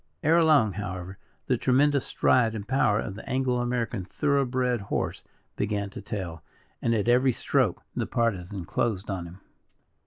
Ere long, however, the tremendous stride and power of the Anglo American thorough bred horse began to tell; and, at every stroke, the Partisan closed on him.